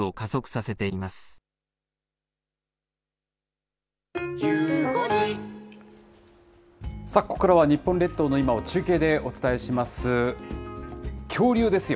さあ、ここからは日本列島の今を中継でお伝えします。